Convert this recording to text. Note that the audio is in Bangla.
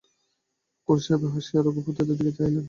খুড়াসাহেব হাসিয়া রঘুপতির দিকে চাহিলেন।